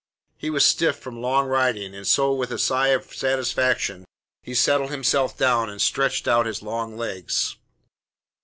He was stiff from long riding, and so with a sigh of satisfaction he settled himself down and stretched out his long legs.